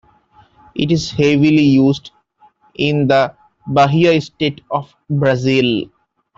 It is heavily used in the Bahia state of Brazil.